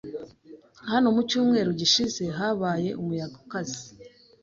Hano mu cyumweru gishize habaye umuyaga ukaze.